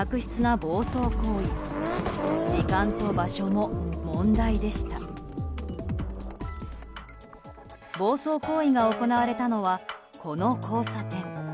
暴走行為が行われたのはこの交差点。